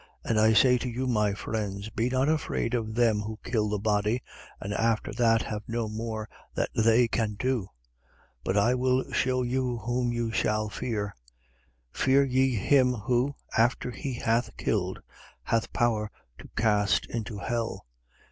12:4. And I say to you, my friends: Be not afraid of them who kill the body and after that have no more that they can do. 12:5. But I will shew you whom you shall fear: Fear ye him who, after he hath killed, hath power to cast into hell.